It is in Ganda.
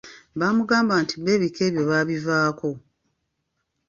Baamugamba nti bo ebika ebyo baabivaako.